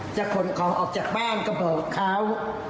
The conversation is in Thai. ขนของออกจากบ้านก็บอกเขา